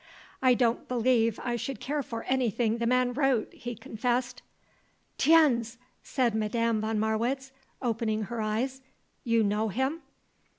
"I don't believe I should care for anything the man wrote," he confessed. "Tiens!" said Madame von Marwitz, opening her eyes. "You know him?"